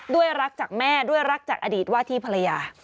ด้วยรักจากแม่ด้วยรักจากอดีตว่าที่ภรรยา